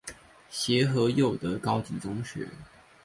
協和祐德高級中學